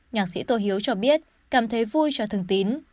nhạc sĩ tô hiếu cho biết cảm thấy vui cho thường tín